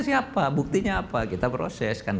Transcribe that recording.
siapa buktinya apa kita proseskan